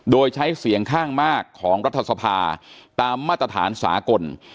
โดยใช้เสียงข้างมากของรัฐสภาตามมาตรฐานสากล